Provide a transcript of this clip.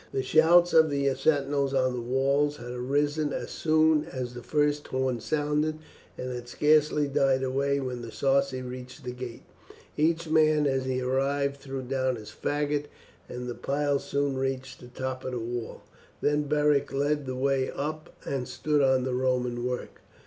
The shouts of the sentinels on the walls had arisen as soon as the first horn sounded, and had scarcely died away when the Sarci reached the gate. Each man as he arrived threw down his faggot, and the pile soon reached the top of the wall. Then Beric led the way up and stood on the Roman work.